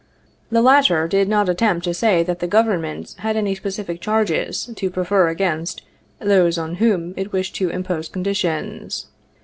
The latter did not attempt to say that the Government had any specific charges to prefer against those on whom it wished to impose con ditions.